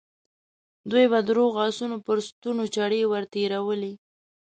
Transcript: دوی به د روغو آسونو پر ستونو چاړې ور تېرولې.